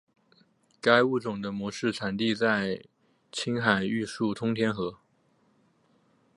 该物种的模式产地在青海玉树通天河。